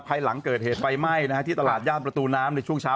หลังเกิดเหตุไฟไหม้ที่ตลาดย่านประตูน้ำในช่วงเช้า